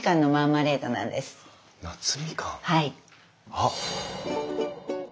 あっ！